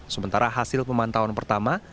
sementara hasil pemantauan pertama